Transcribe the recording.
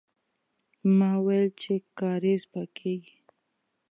ما، ما ويل چې کارېز پاکيږي.